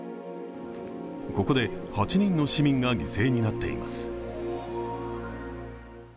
ここで８人の市民が犠牲になっています。